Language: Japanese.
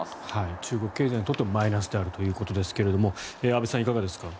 中国経済にとってもマイナスであるということですが安部さん、いかがですか？